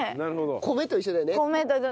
米と一緒だよね。